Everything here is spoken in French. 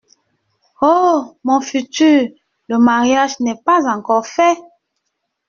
Oh ! mon futur ! le mariage n’est pas encore fait !